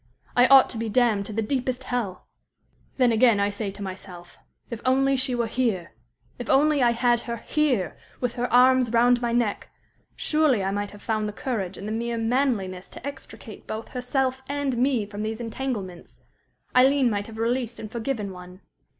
I ought to be damned to the deepest hell! "Then, again, I say to myself, if only she were here! If only I had her here, with her arms round my neck, surely I might have found the courage and the mere manliness to extricate both herself and me from these entanglements. Aileen might have released and forgiven one.